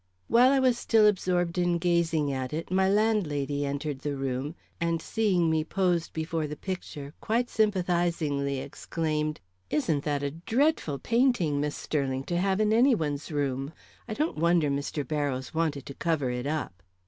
While I was still absorbed in gazing at it, my landlady entered the room, and seeing me posed before the picture, quite sympathizingly exclaimed: "Isn't that a dreadful painting, Miss Sterling, to have in any one's room? I don't wonder Mr. Barrows wanted to cover it up."